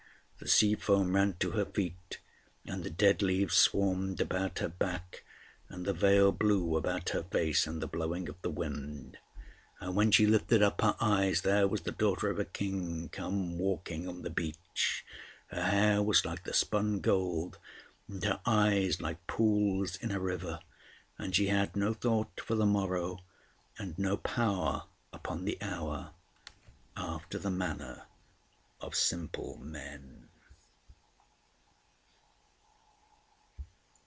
The sea foam ran to her feet, and the dead leaves swarmed about her back, and the veil blew about her face in the blowing of the wind. And when she lifted up her eyes, there was the daughter of a King come walking on the beach. Her hair was like the spun gold, and her eyes like pools in a river, and she had no thought for the morrow and no power upon the hour, after the manner of simple men.